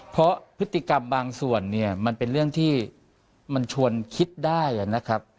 เพราะพฤติกรรมบางส่วนเนี่ยมันเป็นเรื่องที่มันชวนคิดได้นะครับ